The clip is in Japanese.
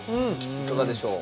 いかがでしょう？